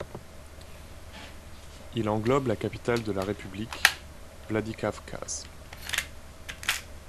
Il englobe la capitale de la république, Vladikavkaz.